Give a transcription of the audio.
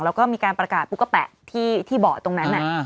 แล้วก็มีการประกาศปุ๊กแปะที่เบาะตรงนั้น